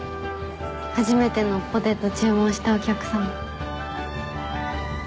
初めてのポテト注文したお客様。